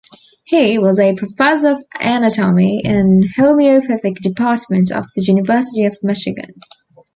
He was a Professor of Anatomy in homoeopathic department of the University of Michigan.